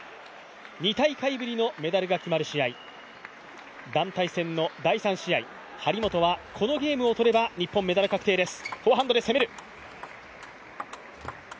２大会ぶりのメダルが決まる試合、団体戦の第３試合、張本はこのゲームを取れば日本メダル確定です。